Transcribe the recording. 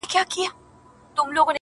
عقیدې يې دي سپېڅلي، شرابونه په لیلام دي,